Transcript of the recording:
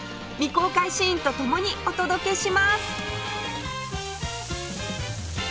未公開シーンとともにお届けします！